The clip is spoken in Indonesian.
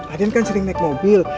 aden kan sering naik mobil